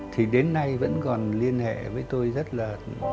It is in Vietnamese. thì đến nay vẫn còn liên hệ với tôi rất là